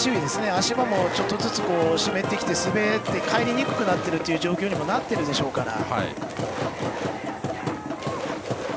足場もちょっとずつ湿ってきて滑ってかえりにくくなっているという状況にもなっているでしょうから。